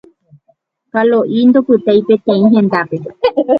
Kalo'i ndopytái peteĩ hendápe.